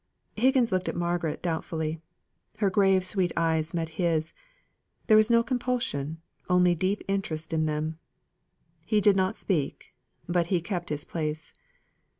Higgins looked at Margaret, doubtfully. Her grave sweet eyes met his; there was no compulsion, only deep interest in them. He did not speak, but he kept his place.